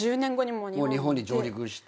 もう日本に上陸して。